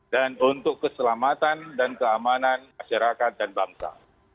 dan untuk keselamatan dan keamanan masyarakat dan bangsa